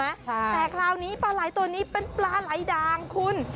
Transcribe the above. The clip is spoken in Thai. แต่คราวนี้ปลาไหล่ตัวนี้เป็นปลาไหลดางคุณ